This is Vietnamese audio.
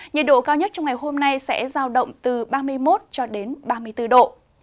nhiệt độ cao nhất trong ngày hôm nay sẽ giao động từ ba mươi một ba mươi bốn độ